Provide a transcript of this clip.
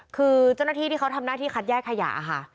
คือเจ้าหน้าที่ที่เขาทำหน้าที่คัดแยกขยะค่ะ